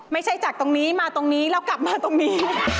ไม่ใช่จากตรงนี้มาตรงนี้แล้วกลับมาตรงนี้